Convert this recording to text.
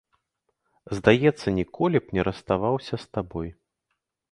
Здаецца, ніколі б не расставаўся з табой.